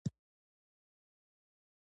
او دخپل راتګ موخه يې بيان کره.